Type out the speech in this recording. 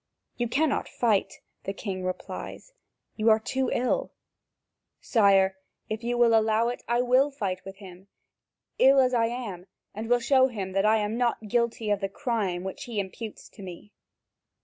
"You cannot fight," the king replies, "you are too ill." "Sire, if you will allow it, I will fight with him, ill as I am, and will show him that I am not guilty of the crime which he imputes to me."